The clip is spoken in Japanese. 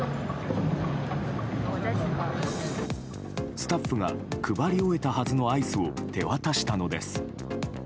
スタッフが配り終えたはずのアイスを手渡したのです。